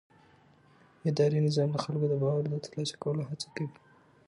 اداري نظام د خلکو د باور د ترلاسه کولو هڅه کوي.